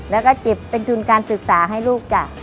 แล้วก็เก็บเป็นทุนการศึกษาให้ลูกจ้ะ